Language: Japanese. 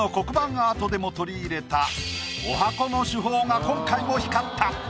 アートでも取り入れた十八番の手法が今回も光った。